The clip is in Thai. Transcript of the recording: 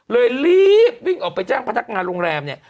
เลยรีบวิ่งออกไปแจ้งพนักงานโรงแรมเนี่ย